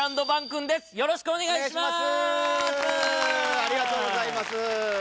ありがとうございます。